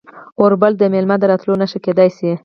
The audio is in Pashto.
اور بلول د میلمه د راتلو نښه کیدی شي.